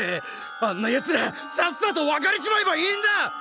あんなやつらさっさと別れちまえばいいんだ！